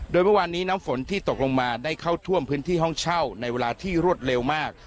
โดยเมื่อวานนี้น้ำฝนที่ตกลงมาได้เข้าท่วมพื้นที่ห้องเช่าในเวลาที่รวดเร็วมาก